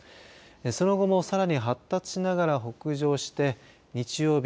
その後もさらに発達しながら北上して日曜日、